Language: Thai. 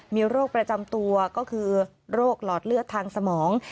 มีโรคประจำตัวก็คือโรคหลอดเลือดทางสมอง